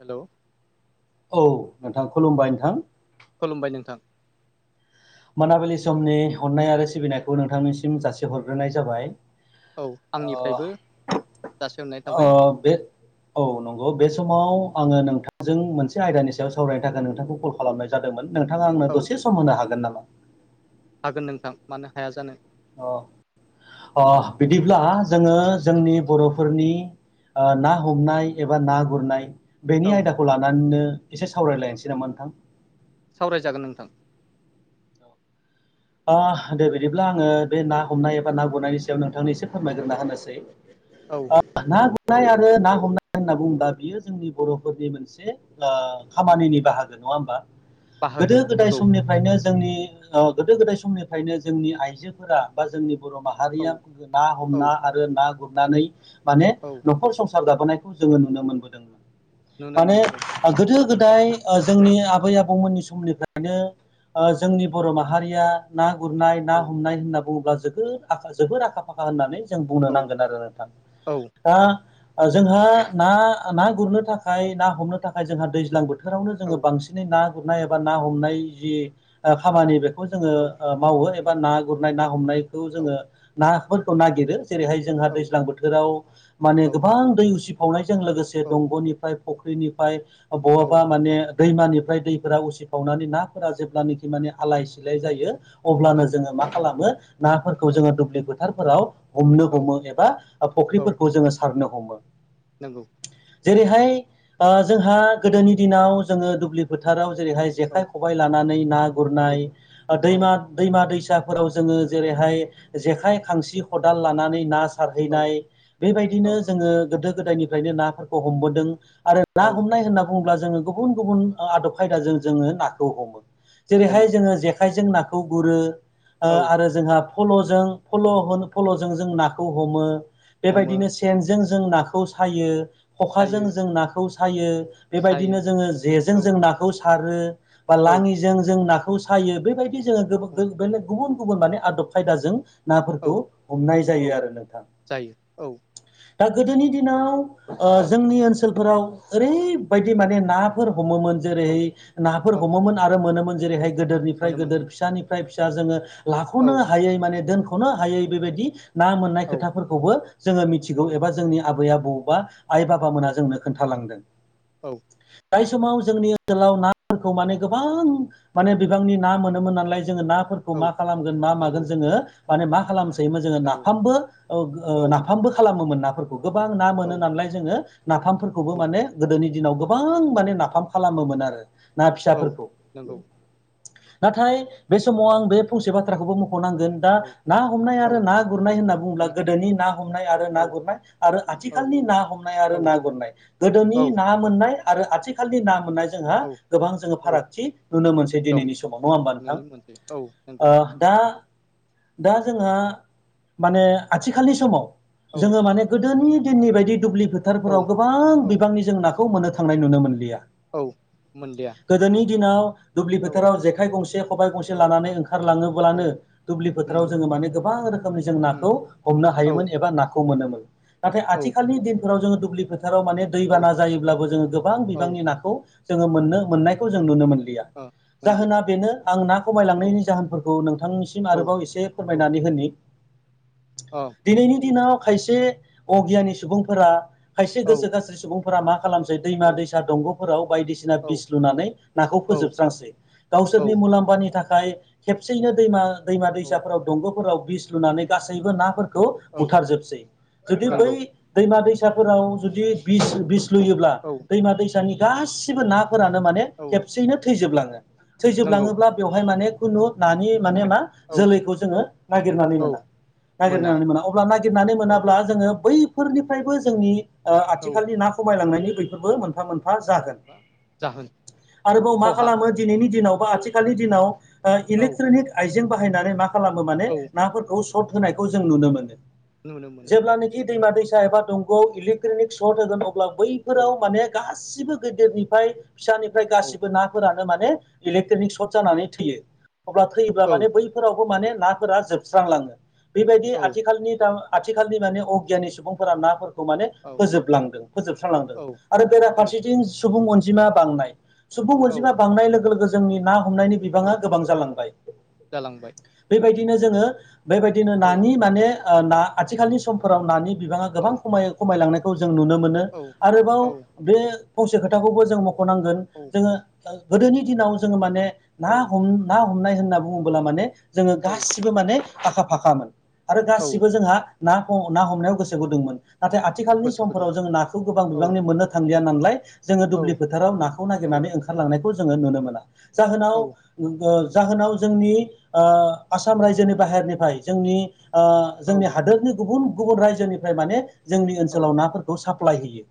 हेल' औ नोंथां खुलुमबाय नोंथां खुलुमबाय नोंथां मोनाबिलि समनि अननाय आरो सिबिनायखौ नोंथांनिसिम जासेहरग्रोनाय जाबाय औ ओ आंनिफ्रायबो जासिहरनाय थाबाय बे औ नंगौ बे समाव औ आङो नोंथांजों मोनसे आयदानि सायाव सावरायनो थाखाय नोंथांखौ कल खालामनाय जादोंमोन नोंथाङा आंनो औ दसे सम होनो हागोन नामा? हागोन नोंथां मानो हाया जानो बिदिब्ला जोङो जोंनि बर'फोरनि ना हमनाय एबा ना गुरनाय औ बेनि आयदाखौ लानानैनो एसे सावरायलायनोसै नामा नोंथां? सावरायजागोन नोंथां दे बिदिब्ला आङो बे ना हमनाय एबा ना गुरनायनि नोंथांनि एसे फोरमायग्रोना औ होनोसै औ ना गुरनाय आरो ना हमनाय होनना बुङोबा बियो जोंनि बर'फोरनि मोनसे उम खामानिनि बाहागो नङा होमबा बाहागो गोदो गोदाय नंगौ समनिफ्रायनो जोंनि गोदो गोदाय समनिफ्रायनो जोंनि आइजोफोरा बा जोंनि बर' माहारिया औ ना औ हमना आरो ना गुरनानै माने औ न'खर संसार लााबोनायखौ जोङो नुनो मोनबोदोंमोन नुनो माने मोनबोदों गोदो गोदाय जोंनि आबै आबौमोननि समनिफ्रायनो जोंनि बर' माहारि माहारिया ना गुरनाय ना औ हमनाय होनना बुङोब्ला ज जोबद आखा फाखा होननानै जों बुंनो औ नांगोन आरो नोंथां औ दा जोंहा ना ना गुरनो थाखाय ना हमनो थाखाय जोंहा दैज्लां बोथोरावनो जोङो औ बांसिनै ना गुरनाय एबा ना हमनाय जि खामानि बेखौ जोङो औ मावो उम एबा ना गुर ना हमनायखौ औ जोङो नाफोरखौ नागिरो जेरैहाय जोंहा औ दैज्लां बोथोराव माने औ गोबां दै उसिफावनायजों लोगोसे औ दंग'निफ्राय फुख्रिनिफ्राय औ बहाबा माने दैमानिफ्राय दैफोरा उसिफावनानै नाफोरा जेब्लानोाखि माने आलाय सिलाय जायो औ अब्लानो जोङो मा खालामो नाफोरखौ जोङो दुब्लि फोथारफोराव हमनो औ हमो एबा औ फुख्रिफोरखौ जोङो सारनो हमो नंगौ जेरैहाय जोंहा गोदोनि दिनाव जोङो दुब्लि फोथाराव जेरैहाय औ जेखाय खबाइ लानानै ना औ गुरनाय औ दैम दै सा जों जेरैहाय जेखाय खांसि खाल लानानै ना औ सारहैनाय औ बेबायदिनो जोङो गोदो गोदायनिफ्रायनो नाफोरखौ हमबोदों आरो ना औ हमनाय होनना बुङोब्ला जोङो गुबुन गुबुन आदब खायदाजों जोङो नाखौ हमो हमो जेरैहाय जोङो जेखाइजों नाखौ गुरो औ आरो जोंहा जों नाखौ हमो हमो बेबायदिनो सेनजों जों नाखौ सायो खखाजों सायो जों नाखौ सायो बेबायदिनो सायो जोङो जेजों औ जों नाखौ सारो बा औ लाङिजों जों नाखौ सायो बेबायदि जोङो बेल गुबुन गुबुन माने आदब खायदाजों नाफोरखौ औ हमनाय जायो औ आरो नोंथां जायो औ दा गोदोनि दिनाव जोंनि ओनसोलफोराव ओरैबायदि माने नाफोर हमोमोन औ जेरैहाय नाफोर औ हमोमोन आरो मोनोमोन औ जेरैहाय गोदोरनिफ्राय मोनोमोन गोदोर फिसानिफ्राय फ्राय फिसा जोङो औ लाख'नो हायै माने दोनख'नो हायै बेबायदि ना मोननाय औ खोथाफोरखौबो जोङो औ मिथिगौ एबा जोंनि आबै आबोवबा आइ बाबामोना औ जोंनो खोन्थालांदों औ जाय समाव जोंनि ओनसोलाव नाफोरखौ माने गोबां माने बिबांनि ना मोनोमोन नालाय जोङो नाफोरखौ औ माखालामगोन मामागो नंगौ जोङो माने माखालामसै जोङो नंगौ नाफामबो औ नाफामबो खालामोमोन ना गोबां ना मोनो औ नालाय जोङो नाफामफोरखौबो औ माने गोदोनि दिनाव गोबां माने नाफाम खालामोमोन आरो ना औ फिसाफोरखौ नंगौ नाथाय बे समाव आं बे फंसे बाथ्राखौबो मुख नांगोन दा औ ना हमनाय औ आरो ना गुरनाय होनना बुङोब्ला औ गोदोनि ना हमनाय आरो ना गुरनाय आरो आथिखालनि ना हमनाय आरो औ ना गुरनाय गोदोनि औ ना मोननाय आरो आथिखालनि ना मोन्नाय जोंहा औ गोबां जोङो औ फारागथि नुनो मोनसै दं दिनैनि सम नङा होमबा नोंथांज नोंनि मोनसे औ नंगौ ओ दा दा जोंहा माने आथिखालनि समाव औ जोङो माने गोदोनि दिननि बायदि दुब्लि औ फोथारफोराव गोबां औ बिबांनि जों ना मोननो थांनाय नुनो मोनलिया औ मोनलिया गोदोनि दिनाव दुब्लि औ फोथाराव जे गंसे खबाइ गंसे औ लानानै औ ओंखारलाङोब्लानो दुब्लि फोथाराव जोङो माने गोबां रोखोमनि जों नाखौ हमनो औ हायोमोन एबा नाखौ मोनोमोन नाथाय औ आथिखालनि दिनफोराव जोङो दुब्लि फो फोथाराव माने औ दैबाना जायोब्लाबो जोङो गोबां बिबांनि नाखौ जोङो मोननो मोननायखौ जों नुनो मोनो औ मोनलिया जाहोना दा बेनो आं ना औ खमायलांनायनि जाहोनफोरखौ नोंथांनिसिम औ आरोबाव एसे औ फोरमायनानै होनि औ औ दिनैनि दिनाव खायसे अगियानि सुबुंफोरा खायसे गोसो गास्रि सुबुंफोरा मा खालामसै दैमा दैसा दंग'फोराव बायदिसिना औ बिस लुनानै नाखौ फोजोबस्रांसै औ गावसोरनि मुलाम्फानि थाखाय खेबसेयैनो दैमा दैमा औ दैसाफोराव दंग'फोराव बिस लुनानै गासैबो नाफोरखौ बुथार जोबसै जुदि बै नंगौ दैमा दैसा दैसाफोराव जुदि बिस बिस लुयोब्ला औ दैमा दैसानि गासिबो नाफोरानो माने औ खेबसेयैनो थैजोबलाङो नंगौ थैजोबलाङोब्ला बेवहाय माने खुनु नानि माने मा औ जोलैखौ जोङो नागिरनानै औ मोना नागिरनानै मोना अब्ला नागिरनानै औ मोनाब्ला जोङो बैफोरनिफ्रायबो जोंनि औ आथिखालनि ना खमायलांनायनि बैफोरबो मोनफा मोनफा जागोन बा जाहोन आरोबाव मा खहा खालामो। दिनैनि दिनाव बा आथिखालनि दिनाव ओ औ इलेकट्रनिक आइजें बाहायनानै मा खालामो माने औ नाफोरखौ सर्ट होनायखौ जों नुनो मोनो। नुनो मोनो जेब्लानिखि दैमा दैसा एबा दंग'आव इलेक्ट्रनिक सट होगोन अब्ला औ बैफोराव माने गास बैसोबो गेदेरनिफ्राय फिसानिफ्राय औ गासिबो नाफोरानो माने इलेक्ट्रनिक सर्ट जानानै थैयो। अब्ला थैयोब्ला औ माने बैफोरावबो माने नाफोरा जोबस्रांलाङो। बेबायदि औ आथिखालनि दा आथिखालनि माने अगियानि सुबुंफोरा नाफोर खौ माने औ फोजोबलांदों फोजोबस्रांलांदों। आरो औ बेराफारसेथिं सुबुं अनजिमा बांनाय सुबुं औ अनजिमा बांनाय लोगो लोगो जोंनि ना हमनायनि औ बिबाङा गोबां जालांबाय। जालांबाय बेबायदिनो जोङो बेबायदिनो औ नानि माने ओ ना आथिखालनि समफोराव नानि बिबाङा औ गोबां खमायो खमायलांनाय जों नुनो मोनो। औ आरोबाव बे फसे खोथाखौबो जों मख'नांगोन औ जोङो ओ गोदोनि दिनाव जोङो माने ना औ हम ना हमनाय होनना बुङोब्ला माने जोङो औ गासिबो माने आखा फाखामोन। आरो औ गासिबो जोंहा ना ह ना हमनायाव गोसो गुदुंमोन। नाथाय आथिखालनि गोसो गुदुं समफोराव जों नाखौ गोबां औ बिबांनि मोननो थांलिया। नालाय जोङो औ दुब्लि फोथाराव नाखौ औ नागिरनानै ओंखारलांनायखौ जोङो नुनो मोना। जाहोनाव औ ओ जाहोनाव जोंनि ओ आसाम रायजोनि बाहेरनिफ्राय जोंनि ओ औ जोंनि हादोरनि गुबुन गुबुन रायजोनिफ्राय माने जोंनि औ ओनसोलाव नाफोरखौ साफ प्लाय होयो।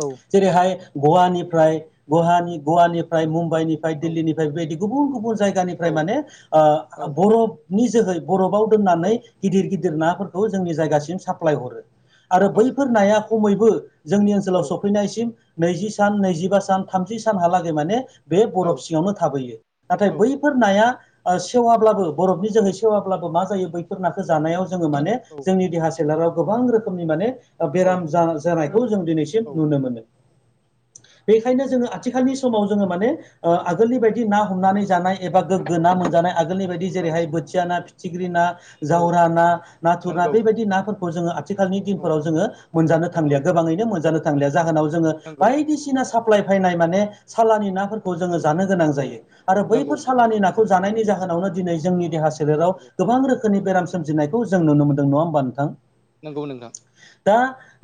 औ जेरैहाय गवानिफ्राय गहानि गवानि मु म्बाइनिफ्राय दिल्लिनिफ्राय बेबायदि गुबुन गुबुन जायगानिफ्राय माने ओ औ बर' नि जोहै बरफआव औ दोननानै गिदिर गिदिर नाफोरखौ जोंनि जायगासिम साप्लाय हरो। आरो बैफोर नाया खमैबो जोंनि ओनसोलाव सफैनायसिम नैजि सान नैजिबा सान थामजिब सानहालागै माने बे बरफ सिङावनो थाबोयो। नाथाय बैफोर नाया ओ सेवाब्लाबो बरफनि जोहै सेवाब्लाबो मा जायो बैफोर नाखौ जानायाव जोङो माने जोंनि देहा सोलेराव गोबां रोखोमनि माने ओ बेराम जा-जानायखौ जों दिनैसिम नुनो मोनो। बेखायनो जोङो आथ थिखालनि समाव जोङो माने ओ आगोलनि बायदि ना हमनानै जानाय। एबा गोग्गो ना मोनजानाय आगोलनि बायदि जेरै औ हाय बोथिया ना, फिथिख्रि ना औ जावरा ना, नाथुर ना नंगौ बेबायदि नाफोरखौ जोङो आथ थिखालनि औ दिनफोराव जोङो मोनजानो नंगौ थांलिया गोबाङैनो मोनजानो थांलिया। जाहोनाव जो नंगौ बायदिसिना साप्लाय फैनाय माने सालानि नाफोरखौ जोङो। जानो गोनां औ जायो। आरो नंगौ बैफोर सालानि नाखौ जानायनि जाहोनावनो दिनै जोंनि देहा सोलेराव गोबां रोख खोनि बेराम सोमजिनायखौ जों नुनो मोन नङा होमबा नोंथां। नंगौ नोंथां दा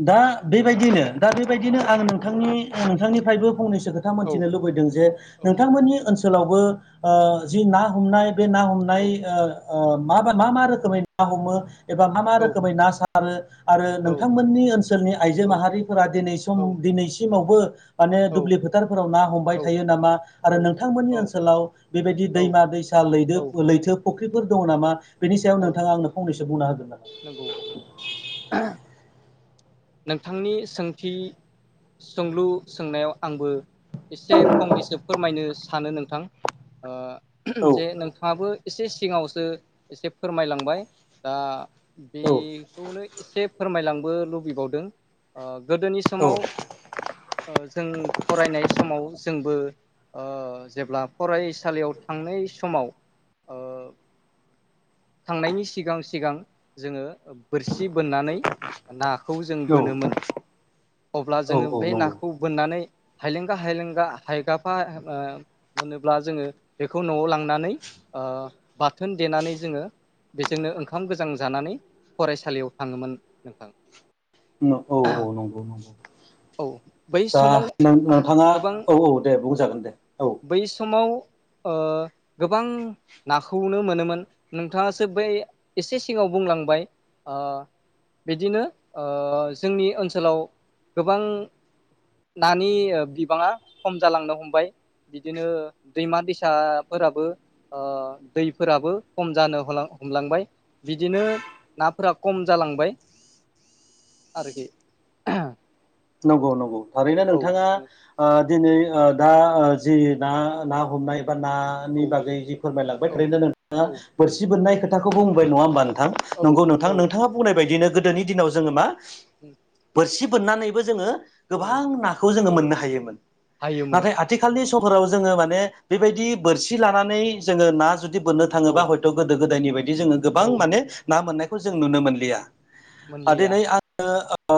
दा बेबायदिनो दा बेबायदिनो आं नोंथांनि ओ नोंथांनिफ्रायबो फंनैस सो खोथा औ मोनथिनो लुबैदों जे, औ नोंथांमोननि ओनसोलावबो ओ जि ना हमनाय बे हमनाय औ ओ ओ मा मा रोखोमै ना हमो। एबा मा मा औ रोखोमै ना सार सारो आरो औ नोंथांमोननि ओनसोलनि आइजो औ माहारिफोरा दिनै सम औ दिनैसिमावबो माने औ दडुब्लिफोथ फोथारफोराव ना हमबाय औ थायो नामा? आरो नोंथांमोननि ओनसोलाव बेबायदि औ दैमा दैसा औ लैदोब लैथोफ फुख्रिफोर दं नामा? बेनि सायाव औ नोंथाङा आंनो फंनैसो बुंनो हागोन नंगौ नामा? नोंथांनि सोंथि सोंलु सोंनायाव आंबो एसे फंनैसो फोरमायनो सानो नोंथां। ओ औ जे नोंथाङाबो एसे सिगाङावसो एसे फोरमायलांबाय दा औ बेखौनो एसे फोरमायलांबो लुबै बावदों। ओ गोदोनि औ समाव ओ जों फरायनाय समाव जोंबो ओ जेब्ला फरायसालियाव थांनाय समाव। ओ [inaudible] थांनायनि सिगां सिगां जोङो बोरसि बोननानै नाखौ जों औ बोनोमोन, अब्ला औ जोङो बे नंगौ नाखौ बोननानै। हायलेंगा हायलेंगा हायगाफा ओ मोनोब्ला जोङो बेखौ न'आव लांनानै ओ बाथोन देनानै जोङो बेजोंनो ओंखाम गोजां जानानै फरायसालियाव थाङोमोन नोंथां। औ औ नंगौ नंगौ। औ बै दा समाव नों-नोंथाङा गोबां औ औ दे बुंजागोन दे औ। बै समाव ओ गोबां नाखौनो मोनोमोन नोंथाङासो बे एसे सिगाङाव बुंलांबाय ओ बिदिनो ओ जोंनि ओनसोलाव गोबां नानि बिबाङा खम जालांनो हमबाय। बिदिनो दैमा दैसाफोराबो ओ दैफोराबो खम जानो हला हमलांबाय बिदिनो नाफोरा खम जालांबाय आरोखि। नंगौ नंगौ थारैनो औ नोंथाङा ओ दिनै ओ दा ओ जि ना ना हमनाय बा नानि बागै जि फोरमायलांबाय औ थारैनो नोंथाङा औ बोरसि बोननाय खोथाखौबो बुंबाय औ नङा होमबा नोंथां? औ नंगौ नोंथां औ नोंथाङा बुंनाय बायदिनो गोदोनि दिनाव जोङो मा बोरसि बोननानैबो जोङो गोबां नाखौ जोङो औ मोननो‌ हायोमोन। हायोमोन नाथाय आथिखालनि [unintelligible] जोङो माने बेबायदि बोरसि लानानै जोङो ना जुदि बोननो औ थाङोबा हयथ' गोदो गोदायनि बायदि जोङो औ गोबां माने ना मोननायखौ जों औ नुनो मोनलिया। आ मोनलिया दिनै आङो ओ ओ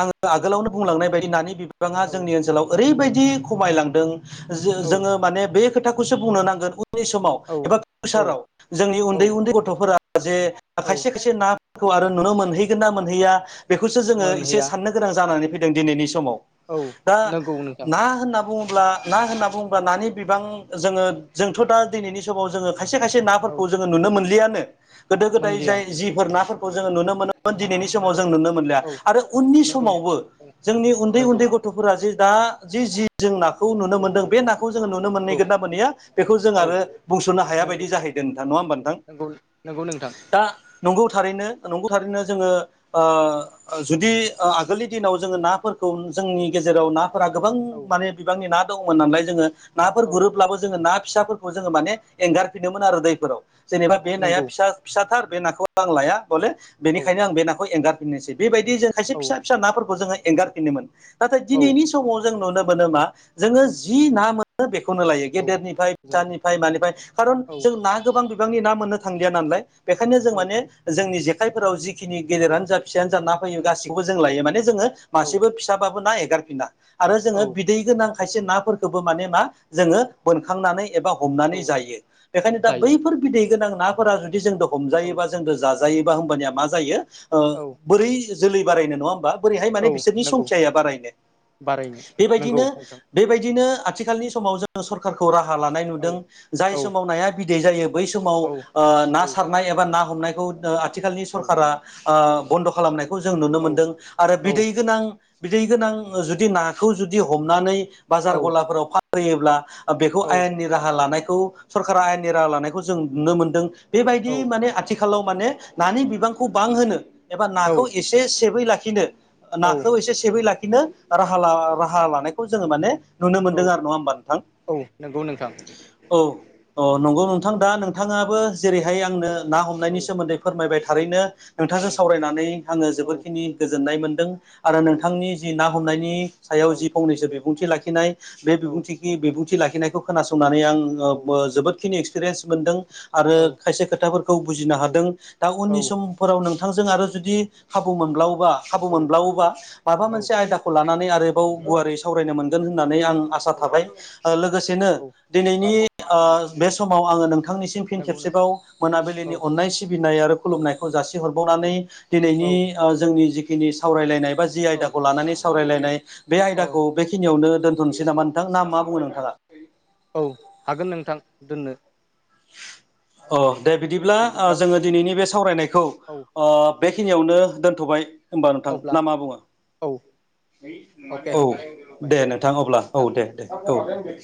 आङो आगोलावनो बुंलांनाय बायदि नानि बिबाङा औ जोंनि ओनसोलाव औ ओरैबायदि खमायलां दों औ जो-जोङो माने बे खोथाखौसो बुंनो नांगोन उननि समाव औ एबा फिउसाराव जोंनि औ उन्दै उन्दै गथ'फोरा जे औ खायसे खायसे ना खौ आरो नुनो मोनहैगोन ना मोनहैया बेखौसो जोङो एसे मोनहैया साननो गोनां जानानै फैदों दिनैनि समाव। औ दा नंगौ नोंथां ना होनना बुङोब्ला ना होनना बुङोब्ला नानि बिबां जोङो जोंथ' दा दिनैनि समाव जोङो खायसे खायसे औ नाफोरखौ जोङो नुनो मोनलियानो गोदो गोदाय मोनलिया जाय जिफोर नाफोरखौ जोङो नुनो मोनोमोन दिनैनि समाव जों नुनो मोनलिया औ आरो उननि नंगौ समावबो जोंनि उन्दै नंगौ उन्दै गथ'फोरा जे दा जि जि जों ना खौ नुनो औ मोनदों बे नाखौ जोङो नुनो नंगौ मोनहैगोन ना मोनहैया बेखौ जों औ आरो बुंस'नो हाया नंगौ बायदि जाहैदों नोंथां नङा होमबा नोंथां? नंगौ नंगौ नोंथां। दा नंगौ थारैनो नंगौ थारैनो जोङो ओ जुदि ओ आगोलनि दिनाव जोङो औ नाफोरखौ जोंनि गेजेराव नाफोरा गोबां औ माने बिबांनि ना दंमोन नालाय जोङो नाफोर औ गुरोब्लाबो जोङो ना फिसाफोरखौ जोङो माने एंगारफिनोमोन आरो दैफोराव। जेनेबा बे नाया नंगौ फिसा फिसाथार बे नाखौ आं लाया बले औ बेनिखायनो आं बे नाखौ एंगार फिन्नोसै। बेबायदि जों खायसे औ फिसा फिसा नाफोरखौ जो एंगारफिनोमोन नाथाय औ दिनैनि समाव जों नुनो मोनो मा जोङो जि ना मोनो बेखौ नो लायो औ गेदेरनिफ्राय जायो फिसानिफ्राय मानिफ्राय कारन औ जों ना गोबां बिबांनि ना मोननो थांलिया नालाय बेखायनो जों औ माने जोंनि जेखाइफोराव जिखिनि औ गेदेरानो जा फिसायानो जा ना गासिखौबो जों लायो माने जोङो औ मासेबो फिसाबाबो ना एगारफिना आरो औ जोङो बिदै गोनां खायसे नाफोरखौबो माने मा जोङो बोनखांनानै एबा हमनानै औ जायो। बेखायनो दा जायो बैफोर बिदै गोनां नाफोरा जुदि जोंद' औ हमजायोबा जोंद' जाजायोबा होमबानिया मा जायो ओ औ बोरै जोलै बारायनो नङा होमबा? बोरैहाय औ माने बिसोरनि नंगौ संख्याया बारायनो। बारायनो नंगौ बेबायदिनो नोंथां बेबायदिनो आथिखालनि समाव जोङो सरखारखौ राहा लानाय औ नुदों जाय औ समाव नाया बिदै जायो बै समाव औ ओ ना औ सारनाय एबा ना हमनायखौ ओ आथिखालनि औ सरखारा ओ बन्द' खालामनायखौ जों नुनो औ मोनदों आरो औ बिदै गोनां बिदै गोनां जुदि नाखौ जुदि हमनानै औ बाजार गलाफोराव फानहैयोब्ला ओ बेखौ औ आयेननि राहा लानायखौ सरखारा आयेननि राहा लानायखौ जों नुनो मोनदों औ बेबायदि माने आथिखालाव माने नानि बिबांखौ बांहोनो एबा औ नाखौ एसे सेबयै ला खिनो औ नाखौ एसे सेबयै लाखिनो राहा ला राहा लानायखौ जोङो माने नुनो औ मोनदों आरो नङा होमबा नोंथां? औ नंगौ नोंथां औ अ नंगौ नों थां दा नोंथाङाबो जेरैहाय आंनो औ ना औ हमनायनि सोमोन्दै फोरमायबाय औ थारैनो औ नोंथांजों सावरायनानै आङो औ जोबोरखिनि गोजोननाय मोनदों आरो औ नोंथांनि जि ना हमनायनि सायाव औ जि फंनैसो बि बुंथि लाखिनाय बे बिबुंथिखि बिबुंथि लाखिनायखौ खोनासंनानै आं ओ ओ जोबोदखिनि एक्सपिरिनस मोनदों आरो खायसे खोथाफोरखौ बुजिनो हादों औ दा उननि समफोराव नों थांजों आरो जुदि खाबु मोनब्लावोबा खाबु मोनब्लावोबा माबा औ मोनसे आयदाखौ लानानै आरोबाव गुवारै सावरायनो मोनगोन होननानै आं आसा औ थाबाय। ओ लोगोसेनो दिनैनि ओ बे समाव आङो नों थांनिसिम फिन नंगौ नों खेबसेबाव औ मोनाबिलिनि अननाय सिबिनाय आरो औ खुलुमनायखौ औ जासिहरबावनानै दि नैनि औ ओ जोंनि जिखिनि सावरायलायनाय बा जि औ आयदाखौ लानानै सावरायलायनाय बे औ आयदाखौ बेखिनियावनो दोनथ'नोसै नामा नोंथां? ना मा बुङो नोंथाङा? औ हागोन नोंथां दोननो। अ दे बिदिब्ला ओ जोङो दिनैनि बे सावरायनायखौ औ अ बेखिनियावनो दोनथ'बाय होमबा नोंथां अब्ला ना मा बुङो? औ अके औ बाय दे नोंथां। अब्ला औ दे दे औ।